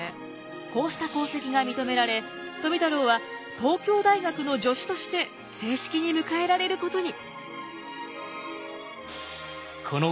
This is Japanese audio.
こうした功績が認められ富太郎は東京大学の助手として正式に迎えられることに。